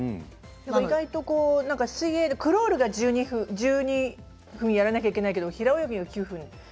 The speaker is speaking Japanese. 水泳のクロールが１２分やらなきゃいけないけど平泳ぎは９分。